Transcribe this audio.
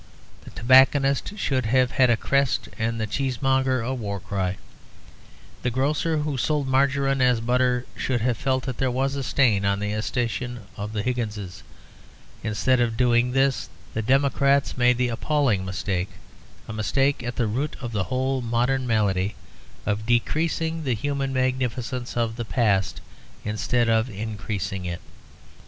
The tobacconist should have had a crest, and the cheesemonger a war cry. The grocer who sold margarine as butter should have felt that there was a stain on the escutcheon of the Higginses. Instead of doing this, the democrats made the appalling mistake a mistake at the root of the whole modern malady of decreasing the human magnificence of the past instead of increasing it.